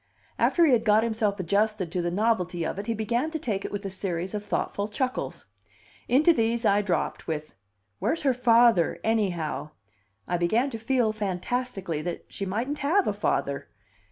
After he had got himself adjusted to the novelty of it he began to take it with a series of thoughtful chuckles. Into these I dropped with: "Where's her father, anyhow?" I began to feel, fantastically, that she mightn't have a father.